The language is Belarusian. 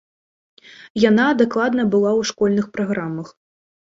Яна дакладна была ў школьных праграмах.